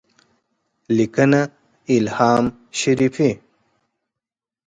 -لیکنه: الهام شریفي